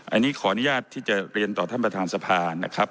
อันนี้ขออนุญาตที่จะเรียนต่อท่านประธานสภานะครับ